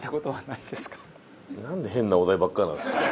なんで変なお題ばっかりなんですか。